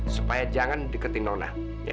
supaya jangan deketin nona